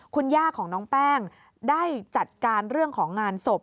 คุณย่าของน้องแป้งได้จัดการเรื่องของงานศพ